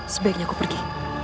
sebaiknya aku pergi